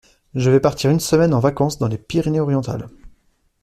Je vais partir une semaine en vacances dans les Pyrénées-Orientales.